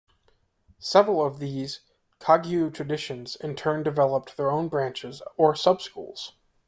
Several of these Kagyu traditions in turn developed their own branches or sub-schools.